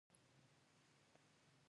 د ډالر نرخ په بازار اغیز لري